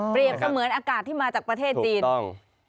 เปรียบเสมือนอากาศที่มาจากประเทศจีน